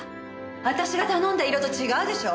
私が頼んだ色と違うでしょ！